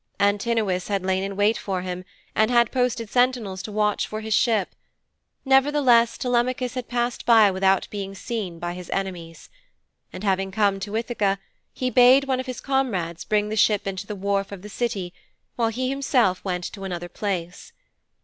Antinous had lain in wait for him, and had posted sentinels to watch for his ship; nevertheless Telemachus had passed by without being seen by his enemies. And having come to Ithaka, he bade one of his comrades bring the ship into the wharf of the city while he himself went to another place.